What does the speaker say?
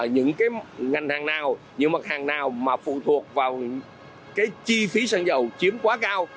những mặt hàng nào mà phụ thuộc vào chi phí xăng dầu chiếm quá cao